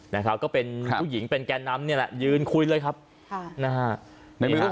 นะครับก็เป็นผู้หญิงเป็นแก่นำเนี่ยแหละยืนคุยเลยครับค่ะนะฮะ